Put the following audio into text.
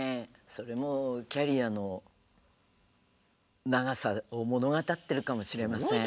それもキャリアの長さを物語ってるかもしれません。